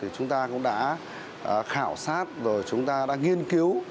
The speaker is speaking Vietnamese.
chúng ta cũng đã khảo sát rồi chúng ta đã nghiên cứu